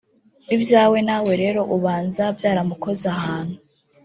Ibyo nawe rero ubanza byaramukoze ahantu